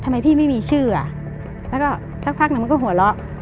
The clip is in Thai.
ทำไมพี่ไม่มีชื่ออ่ะแล้วก็สักพักหนึ่งมันก็หัวเราะ